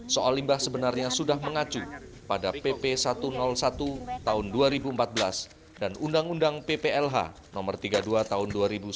soal limbah sebenarnya sudah mengacu pada pp satu ratus satu tahun dua ribu empat belas dan undang undang pplh no tiga puluh dua tahun dua ribu sembilan belas